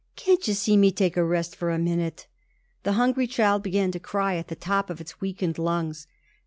"Can't you see me take a rest for a minute?" The hungry child began to cry at the top of its weakened lungs.